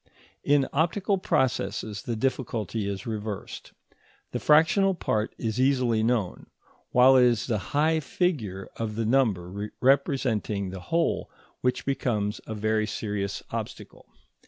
In optical processes the difficulty is reversed. The fractional part is easily known, while it is the high figure of the number representing the whole which becomes a very serious obstacle.